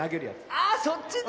あそっちね。